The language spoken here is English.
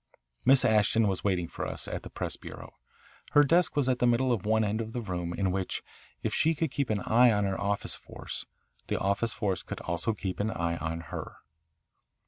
Miss Ashton was waiting for us at the press bureau. Her desk was at the middle of one end of the room in which, if she could keep an eye on her office force, the office force also could keep an eye on her.